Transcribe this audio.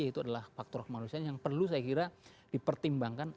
itu adalah faktor kemanusiaan yang perlu saya kira dipertimbangkan